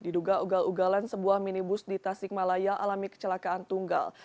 diduga ugal ugalan sebuah minibus di tasikmalaya alami kecelakaan tunggal